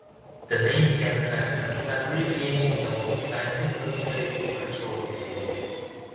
The name began as an abbreviation of "Scientifically Treated Petroleum".